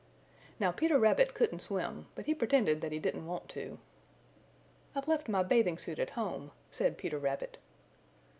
Now Peter Rabbit couldn't swim, but he pretended that he didn't want to. "I've left my bathing suit at home," said Peter Rabbit.